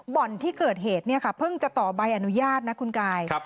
บ่อนที่เกิดเหตุเนี่ยค่ะเพิ่งจะต่อใบอนุญาตนะคุณกาย